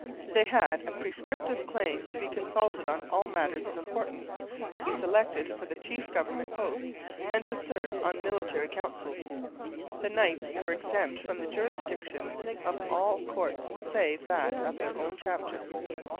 They had a prescriptive claim to be consulted on all matters of importance, to be selected for the chief government posts, and to serve on military councils. The knights were exempt from the jurisdiction of all courts, save that of their own chapter.